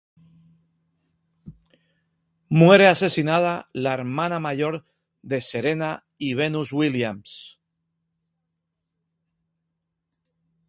Muere asesinada la hermana mayor de Serena y Venus Williams.